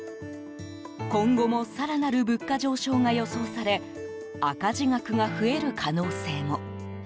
今後も更なる物価上昇が予想され赤字額が増える可能性も。